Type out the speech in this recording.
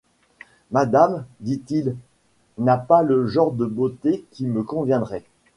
Madame, dit-il, n’a pas le genre de beauté qui me conviendrait.